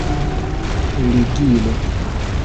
ligilo